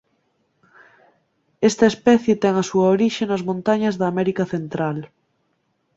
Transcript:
Esta especie ten a súa orixe nas montañas da América Central.